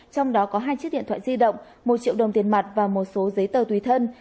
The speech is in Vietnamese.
trong đó có hai chiếc điện thoại di động một triệu đồng tiền mặt và một số giấy tờ tùy thân